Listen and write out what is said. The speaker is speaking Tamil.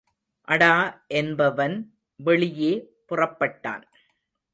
அடா என்பவன் வெளியே புறப்பட்டான்.